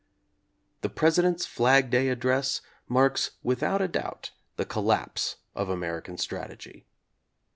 The President's Flag Day address marks with out a doubt the collapse of American strategy.